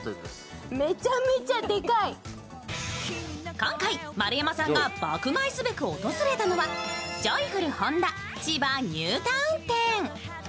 今回、丸山さんが爆買いすべく訪れたのはジョイフル本田千葉ニュータウン店。